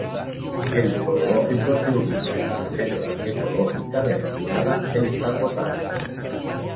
El zoológico se ubica en la reserva ecológica denominada "El Zapotal".